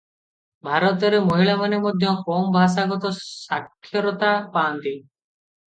ଭାରତରେ ମହିଳାମାନେ ମଧ୍ୟ କମ ଭାଷାଗତ ସାକ୍ଷରତା ପାଆନ୍ତି ।